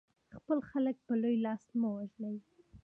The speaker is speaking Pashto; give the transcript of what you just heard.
خپل خلک په لوی لاس مه وژنئ.